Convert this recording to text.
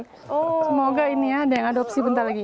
semoga ini ya ada yang adopsi bentar lagi